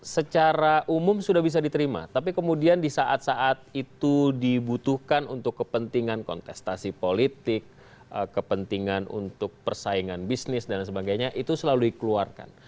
secara umum sudah bisa diterima tapi kemudian di saat saat itu dibutuhkan untuk kepentingan kontestasi politik kepentingan untuk persaingan bisnis dan sebagainya itu selalu dikeluarkan